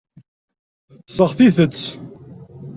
Seɣtit-t.